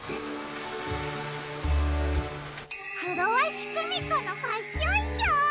クロワシクミコのファッションショー？